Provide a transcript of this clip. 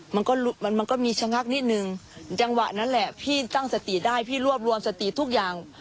มันก็มันมันก็มีชะงักนิดนึงจังหวะนั้นแหละพี่ตั้งสติได้พี่รวบรวมสติทุกอย่าง